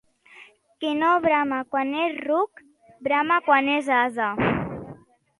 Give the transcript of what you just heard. Qui no brama quan és ruc, brama quan és ase.